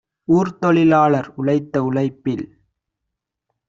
ஊர்த்தொழி லாளர் உழைத்த உழைப்பில்